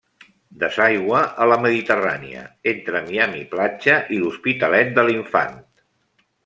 Desaigua a la Mediterrània entre Miami Platja i l'Hospitalet de l'Infant.